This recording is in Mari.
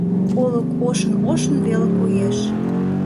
Олык ошын-ошын веле коеш.